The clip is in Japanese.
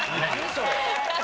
それ。